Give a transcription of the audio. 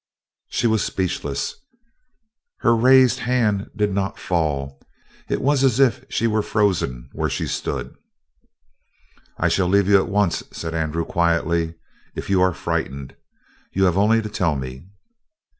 She was speechless; her raised hand did not fall; it was as if she were frozen where she stood. "I shall leave you at once," said Andrew quietly, "if you are frightened. You have only to tell me."